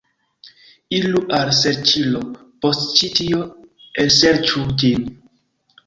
Iru al la serĉilo, post ĉi tio, elserĉu ĝin